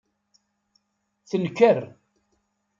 Tenker.